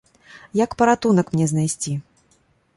Як паратунак мне знайсці?